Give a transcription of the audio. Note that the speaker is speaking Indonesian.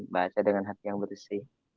baca dengan hati yang bersih